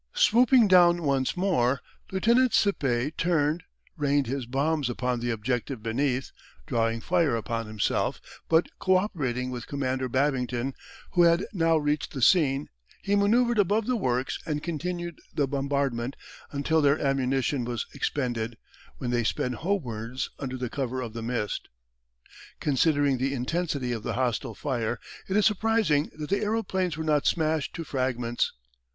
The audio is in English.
Swooping down once more, Lieutenant Sippe turned, rained his bombs upon the objective beneath, drawing fire upon himself, but co operating with Commander Babington, who had now reached the scene, he manoeuvred above the works and continued the bombardment until their ammunition was expended, when they sped home wards under the cover of the mist. Considering the intensity of the hostile fire, it is surprising that the aeroplanes were not smashed to fragments.